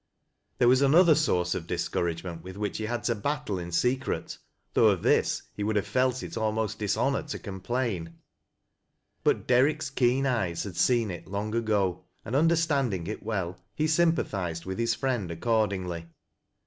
Tliere was anothei source of discouragement with which he had 6 THAT LASH O' LO WHIETS. to battle in secret, though of this he would have felt U almost dishonor to complain. But Derrick's keen eyes had seen it long ago, and, understanding it well, he sympa thized with his friend accordingly.